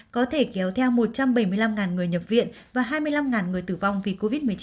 có thể kéo theo một trăm bảy mươi năm người nhập viện và hai mươi năm người tử vong vì covid một mươi chín